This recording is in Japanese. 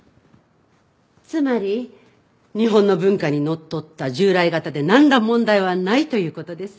つまり日本の文化にのっとった従来型でなんら問題はないという事です。